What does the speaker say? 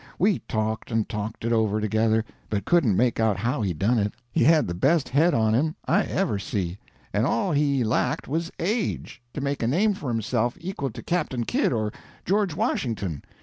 We talked and talked it over together, but couldn't make out how he done it. He had the best head on him I ever see; and all he lacked was age, to make a name for himself equal to Captain Kidd or George Washington.